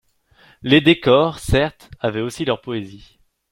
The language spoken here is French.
Les décors, certes, avaient aussi leur poésie.